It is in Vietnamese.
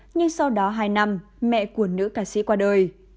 nhưng sau đó hai năm mẹ của nữ ca sĩ qua đời